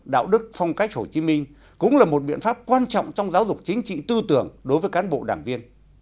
đạo đức phong cách hồ chí minh cũng là một biện pháp quan trọng trong giáo dục chính trị tư tưởng đối với cán bộ đảng viên